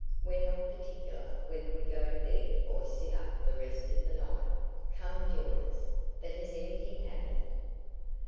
"We're not particular whether we go to bed or sit up the rest of the night. Come and join us. But has anything happened?"